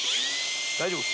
大丈夫？